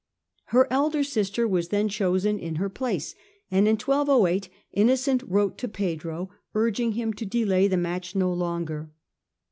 Her elder sister was then chosen in her place, and in 1208 Innocent wrote to Pedro urging him to delay the match no longer.